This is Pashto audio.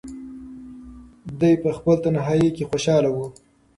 دی په خپل تنهایۍ کې خوشحاله و.